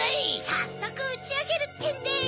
さっそくうちあげるってんでい！